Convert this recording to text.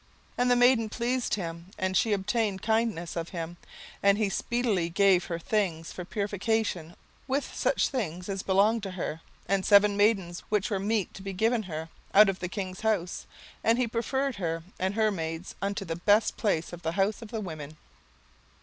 17:002:009 And the maiden pleased him, and she obtained kindness of him; and he speedily gave her her things for purification, with such things as belonged to her, and seven maidens, which were meet to be given her, out of the king's house: and he preferred her and her maids unto the best place of the house of the women.